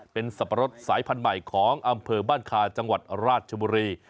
เป็นสับปะรดสายพันธุ์ใหม่ของอำเภอบ้านคาจังหวัดราชบุรี